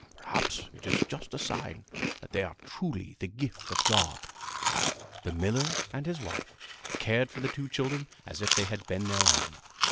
"Perhaps it is just a sign that they are truly the gift of God." The miller and his wife cared for the two children as if they had been their own.